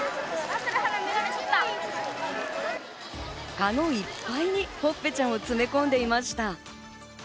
カゴいっぱいにほっぺちゃんを詰め込んでいました。